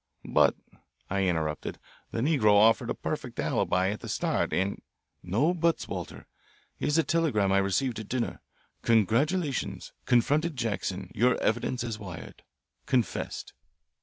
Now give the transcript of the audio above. "But," I interrupted, "the negro offered a perfect alibi at the start, and " "No buts, Walter. Here's a telegram I received at dinner: 'Congratulations. Confronted Jackson your evidence as wired. Confessed.'"